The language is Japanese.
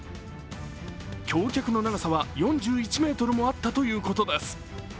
橋脚の長さは４１ｍもあったということです。